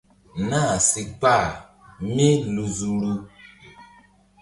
Nah si kpah mí lu zuhru.